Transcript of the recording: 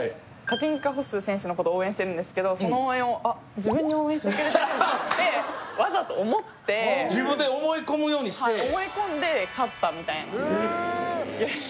カティンカ・ホッスー選手のことを応援してるんですけどその応援を「あっ自分に応援してくれてるんだ」ってわざと思って自分で思い込むようにしてすげえー！